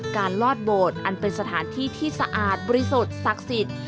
ลอดโบสถ์อันเป็นสถานที่ที่สะอาดบริสุทธิ์ศักดิ์สิทธิ์